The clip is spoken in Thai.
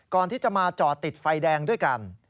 ก่อนที่จะมาจอดติดไฟแดงด้วยกัน